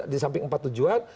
di samping empat tujuan